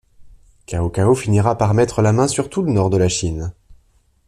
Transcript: Cao Cao finira par mettre la main sur tout le nord de la Chine.